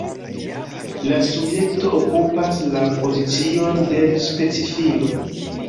La subjekto okupas la pozicion de specifilo.